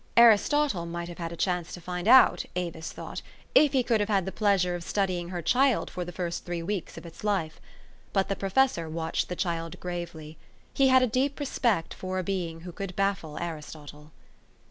Aristotle might have had a chance to find out, Avis thought, if he could have had the pleasure of study ing her child for the first three weeks of its life. But the professor watched the child gravely. He had a deep respect for a being who could baffle Aristotle.